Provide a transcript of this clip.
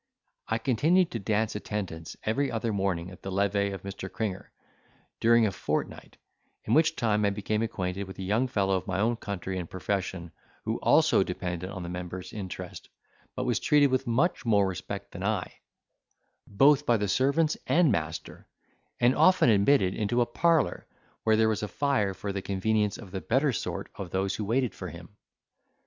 I continued to dance attendance every other morning at the levee of Mr. Cringer, during a fortnight; in which time I became acquainted with a young fellow of my own country and profession, who also depended on the member's interest, but was treated with much more respect than I, both by the servants and master, and often admitted into a parlour, where there was a fire for the convenience of the better sort of those who waited for him.